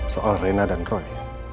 soal rena dan roy